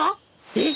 えっ！？